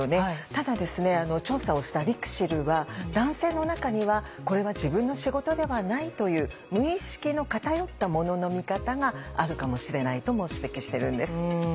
ただ調査をした「ＬＩＸＩＬ」は男性の中には「これは自分の仕事ではない」という無意識の偏ったモノの見方があるかもしれないとも指摘してるんです。